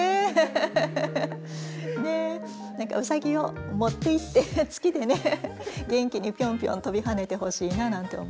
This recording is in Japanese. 何かうさぎを持っていって月でね元気にピョンピョン跳びはねてほしいななんて思います。